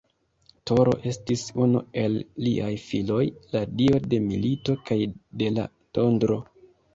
Toro estis unu el liaj filoj, la dio de milito kaj de la tondro.